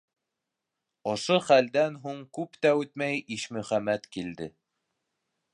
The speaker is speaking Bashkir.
Ошо хәлдән һуң күп тә үтмәй, Ишмөхәмәт килде.